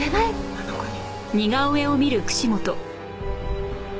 あの子に。